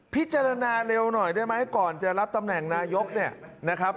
พิจารณาเร็วหน่อยได้ไหมก่อนจะรับตำแหน่งนายกเนี่ยนะครับ